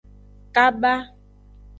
Kaba.